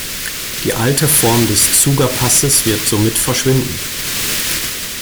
Die alte Form des Zuger Passes wird somit verschwinden.